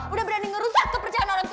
udah berani ngerusak kepercayaan orang tua